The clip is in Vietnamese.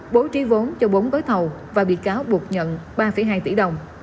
bố trí vốn cho bốn gói thầu và bị cáo buộc nhận ba hai tỷ đồng